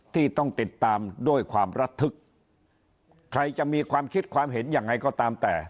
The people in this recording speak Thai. ที่ต้องติดตามด้วยความระทึกใครจะมีความคิดความเห็นยังไงก็ตามแต่